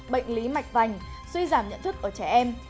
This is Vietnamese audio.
bệnh lý mạch vành suy giảm nhận thức ở trẻ em